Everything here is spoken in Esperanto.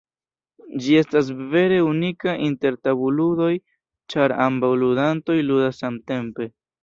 Ĝi estas vere unika inter tabulludoj, ĉar ambaŭ ludantoj ludas samtempe.